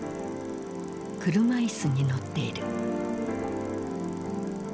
車椅子に乗っている。